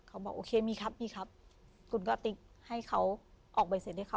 บอกโอเคมีครับมีครับคุณกะติ๊กให้เขาออกใบเสร็จให้เขา